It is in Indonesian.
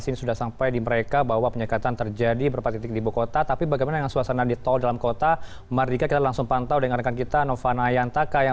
nah selamat siang naya